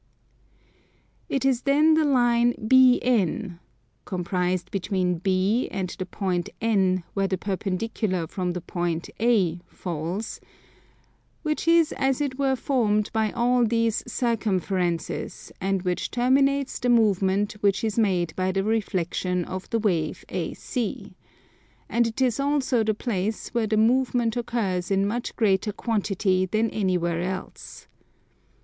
It is then the line BN (comprised between B and the point N where the perpendicular from the point A falls) which is as it were formed by all these circumferences, and which terminates the movement which is made by the reflexion of the wave AC; and it is also the place where the movement occurs in much greater quantity than anywhere else.